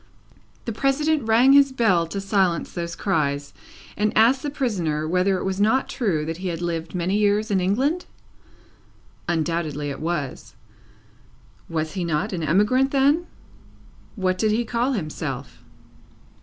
The President rang his bell to silence those cries, and asked the prisoner whether it was not true that he had lived many years in England? Undoubtedly it was. Was he not an emigrant then? What did he call himself?